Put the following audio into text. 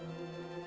setiap senulun buat